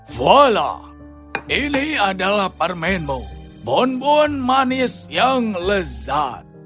voila ini adalah parmenbo bonbon manis yang lezat